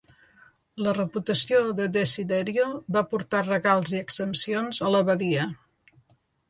La reputació de Desiderio va portar regals i exempcions a l'abadia.